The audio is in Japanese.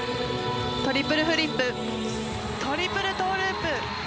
トリプルフリップトリプルトウループ！